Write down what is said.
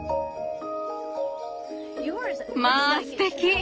まあすてき。